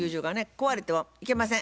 壊れてはいけません。